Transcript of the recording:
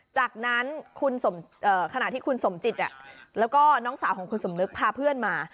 จากนั้นขณะที่คุณสมจิตแล้วก็น้องสาวของคุณสมนึกพาเพื่อนมา